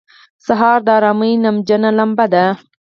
سهار د آرامۍ نمجنه لمبه ده.